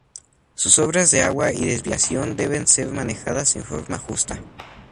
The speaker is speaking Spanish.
Sus obras de agua y desviación deben ser manejadas de forma justa.